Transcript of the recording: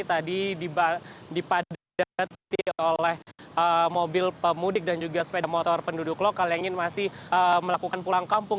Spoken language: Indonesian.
tadi dipadati oleh mobil pemudik dan juga sepeda motor penduduk lokal yang ingin masih melakukan pulang kampung